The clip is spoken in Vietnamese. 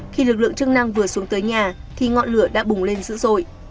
khi lực lượng chức năng vừa xuống tới nhà thì ngọn lửa đã bùng lên dữ dội